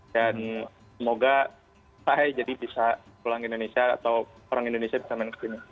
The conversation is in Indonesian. dan semoga saya jadi bisa pulang ke indonesia atau orang indonesia bisa main ke sini